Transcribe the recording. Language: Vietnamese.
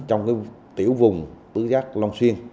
trong tiểu vùng tứ giác long xuyên